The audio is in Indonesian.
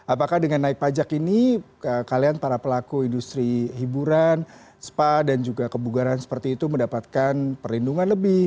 apakah dengan naik pajak ini kalian para pelaku industri hiburan spa dan juga kebugaran seperti itu mendapatkan perlindungan lebih